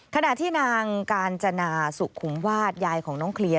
ขณะที่นางกาญจนาสุขุมวาดยายของน้องเคลียร์